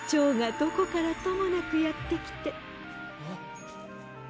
どこからともなくやってきて。